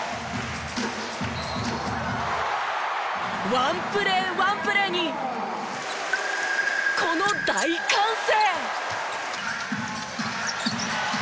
１プレー１プレーにこの大歓声！